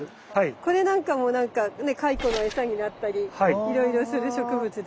これなんかもなんか蚕の餌になったりいろいろする植物ですよね。